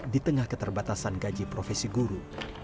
di tengah keterbatasan gaji profesi guru